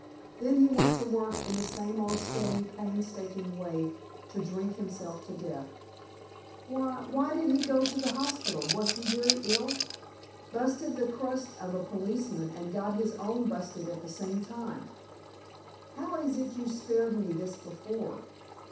Then he went to work in the same old steady painstaking way to drink himself to death." "Wh why did he go to the hospital? Was he very ill?" "Busted the crust of a policeman and got his own busted at the same time." "How is it you spared me this before?"